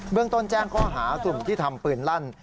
เรื่องต้นแจ้งข้อหากลุ่มที่ทำปืนลั่น